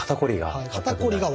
肩こりが？